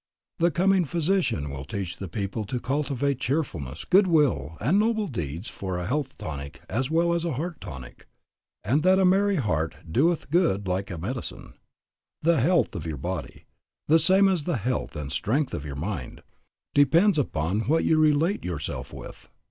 The coming physician will teach the people to cultivate cheerfulness, good will, and noble deeds for a health tonic as well as a heart tonic; and that a merry heart doeth good like a medicine." The health of your body, the same as the health and strength of your mind, depends upon what you relate yourself with.